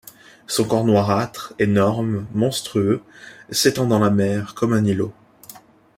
Son corps noirâtre, énorme, monstrueux, s’étend dans la mer comme un îlot.